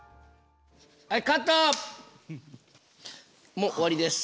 もう終わりです。